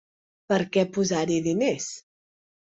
Per què posar-hi diners?